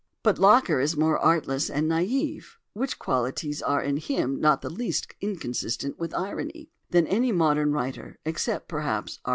But Locker is more artless and naïve (which qualities are in him not the least inconsistent with irony) than any modern writer, except, perhaps, R.